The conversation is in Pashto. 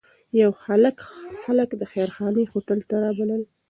یو هلک خلک د خیرخانې هوټل ته رابلل.